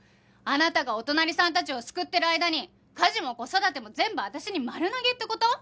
あなたがお隣さんたちを救ってる間に家事も子育ても全部私に丸投げって事？